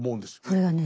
それがね